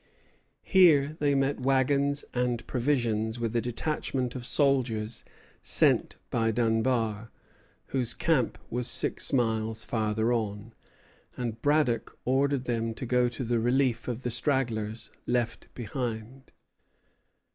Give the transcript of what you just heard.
Here they met wagons and provisions, with a detachment of soldiers sent by Dunbar, whose camp was six miles farther on; and Braddock ordered them to go to the relief of the stragglers left behind.